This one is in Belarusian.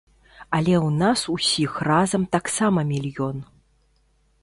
Але ў нас усіх разам таксама мільён.